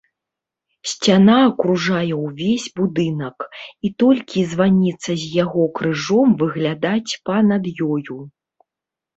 Сцяна акружае ўвесь будынак, і толькі званіца з яго крыжом выглядаць па-над ёю.